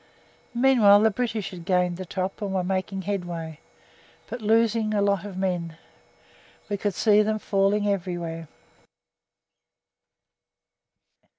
Meanwhile the British had gained the top and were making headway, but losing a lot of men one could see them falling everywhere.